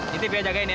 nih tip ya jagain ya